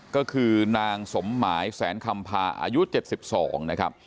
ก็คือนางสมหมายแสนคำพาอายุ๗๒นะครับ